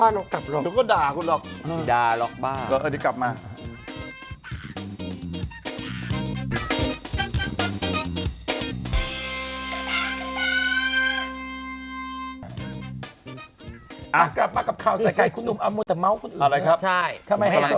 เอกกี้มันชอบด่าคนรู้ปะ